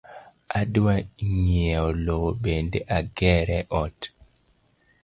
Adwa ng’iewo lowo bende agere ot